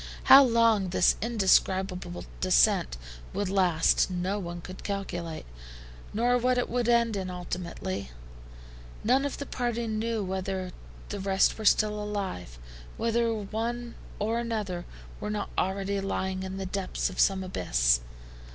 How long this indescribable descent would last, no one could calculate, nor what it would end in ultimately. None of the party knew whether the rest were still alive, whether one or another were not already lying in the depths of some abyss.